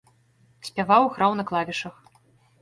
Спяваў, граў на клавішах.